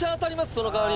そのかわり。